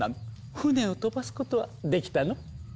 船を飛ばすことはできたの？